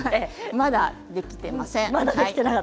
まだできていません。